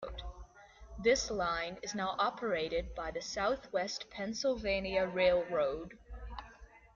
This line is now operated by the Southwest Pennsylvania Railroad.